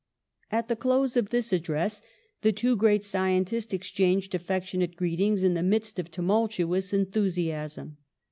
At the close of this address the two great scientists exchanged affectionate greetings in the midst of tumultuous enthusiasm.